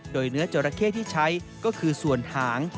โดยเนื้อจราเข้ที่ใช้ก็คือส่วนหาง